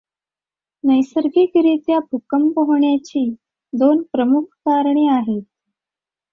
नैसर्गिक रीत्या भूकंप होण्याची दोन प्रमुख कारणे आहेत.